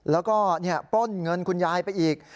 แล้วก็ปล้นเงินคุณยายไปอีก